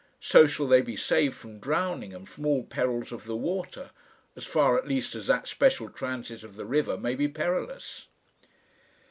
So shall they be saved from drowning and from all perils of the water as far, at least, as that special transit of the river may be perilous.